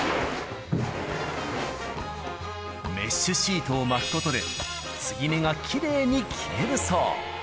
メッシュシートを巻くことで、継ぎ目がきれいに消えるそう。